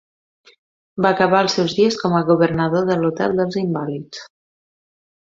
Va acabar els seus dies com a governador de l'hotel dels invàlids.